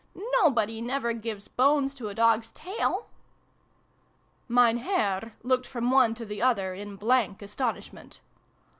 " Nobody never gives bones to a dog's tail !" Mein Herr looked from one to the other in blank astonishment.